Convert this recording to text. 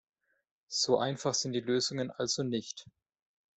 So einfach sind die Lösungen also nicht.